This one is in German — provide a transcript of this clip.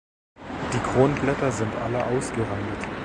Die Kronblätter sind alle ausgerandet.